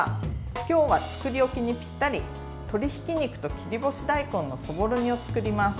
今日は作り置きにぴったり鶏ひき肉と切り干し大根のそぼろ煮を作ります。